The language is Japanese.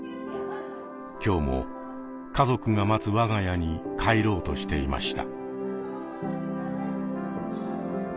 今日も家族が待つ我が家に帰ろうとしていました。